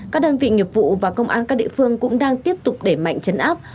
các đơn vị nghiệp vụ và công an các địa phương cũng đang tiếp tục đẩy mạnh chấn áp